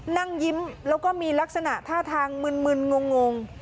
นั่งยิ้มแล้วก็มีลักษณะท่าทางมึนงง